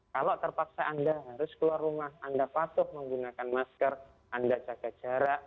kalau terpaksa anda harus keluar rumah anda patuh menggunakan masker anda jaga jarak